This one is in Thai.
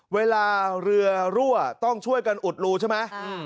เวลาเรือรั่วต้องช่วยกันอุดรูใช่ไหม